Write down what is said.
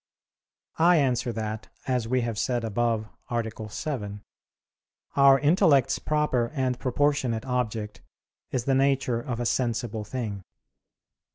I answer that, As we have said above (A. 7), our intellect's proper and proportionate object is the nature of a sensible thing.